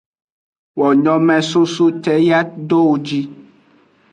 Wo nyomesoso ce yi ado wo ji.